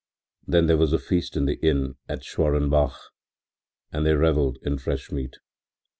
Then there was a feast in the inn at Schwarenbach and they revelled in fresh meat.